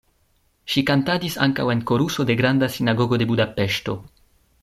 Ŝi kantadis ankaŭ en koruso de Granda Sinagogo de Budapeŝto.